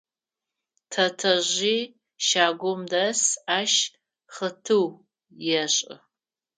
Тэтэжъи щагум дэс, ащ хъытыу ешӏы.